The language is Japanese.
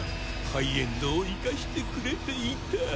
ハイエンドを生かしてくれていた。